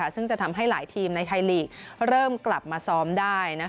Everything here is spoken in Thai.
ซึ่งจะทำให้หลายทีมในไทยลีกเริ่มกลับมาซ้อมได้